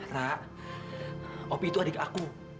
rangga opie itu adik aku